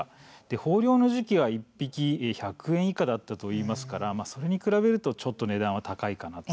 豊漁の時期は１匹１００円以下だったといいますからそれに比べると値段はちょっと高いかなと。